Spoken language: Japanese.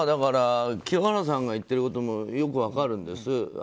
清原さんが言っていることもよく分かるんです。